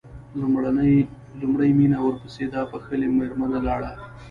لومړی مينه ورپسې دا بښلې مېرمنه لاړه.